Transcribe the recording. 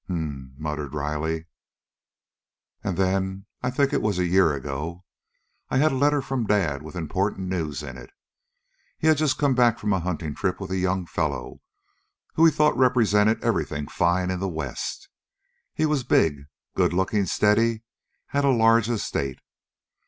"H'm," muttered Riley. "And then, I think it was a year ago, I had a letter from Dad with important news in it. He had just come back from a hunting trip with a young fellow who he thought represented everything fine in the West. He was big, good looking, steady, had a large estate.